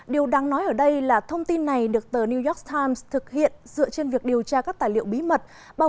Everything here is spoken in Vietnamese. điều đáng nói ở đây là thông tin này được tờ new york times thực hiện dựa trên việc điều tra các tài liệu bí mật